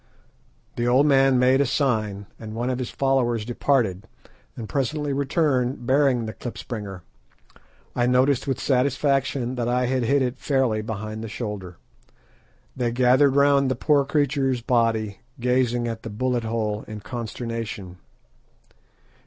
The old man made a sign, and one of his followers departed, and presently returned bearing the klipspringer. I noticed with satisfaction that I had hit it fairly behind the shoulder. They gathered round the poor creature's body, gazing at the bullet hole in consternation.